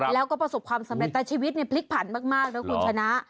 แล้วก็ประสบความสำเร็จแต่ชีวิตพลิกผันมากนะคุณชนะ